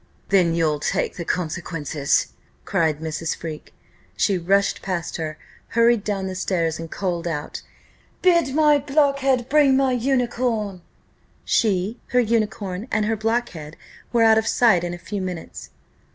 "Then you'll take the consequences," cried Mrs. Freke. She rushed past her, hurried down stairs, and called out, "Bid my blockhead bring my unicorn." She, her unicorn, and her blockhead, were out of sight in a few minutes.